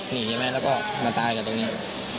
หนีใช่ไหมแล้วก็มาตายกับตรงเนี้ย